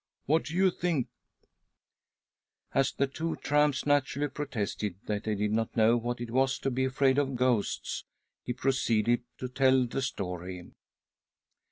What do you think ?" As the two tramps naturally protested that they did not know what it was to be afraid of ghosts he : proceeded to tell the story.